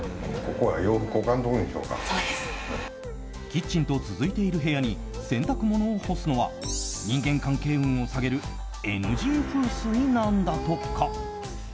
キッチンと続いている部屋に洗濯物を干すのは人間関係運を下げるＮＧ風水なんだとか。